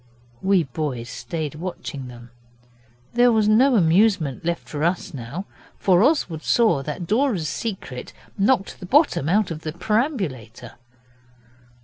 We boys stayed watching them. There was no amusement left for us now, for Oswald saw that Dora's Secret knocked the bottom out of the perambulator.